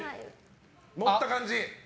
持った感じ。